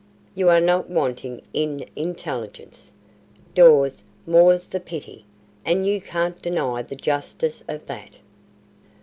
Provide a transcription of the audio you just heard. You are not wanting in intelligence, Dawes, more's the pity and you can't deny the justice of that."